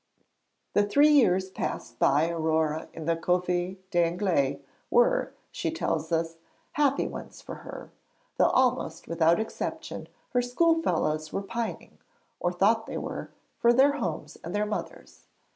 The three years passed by Aurore in the Couvent des Anglaises were, she tells us, happy ones for her, though almost without exception her schoolfellows were pining, or thought they were, for their homes and their mothers.